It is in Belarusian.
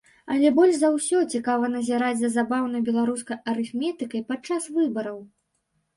Але больш за ўсё цікава назіраць за забаўнай беларускай арыфметыкай падчас выбараў.